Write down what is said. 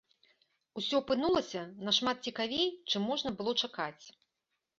Усё апынулася нашмат цікавей, чым можна было чакаць.